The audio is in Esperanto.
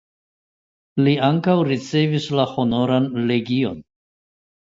Li ankaŭ ricevis la Honoran Legion.